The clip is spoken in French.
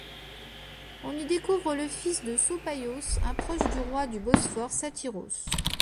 On y découvre le fils de Sopaios, un proche du roi du Bosphore Satyros.